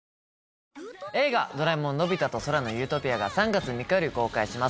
『映画ドラえもんのび太と空の理想郷』が３月３日より公開します。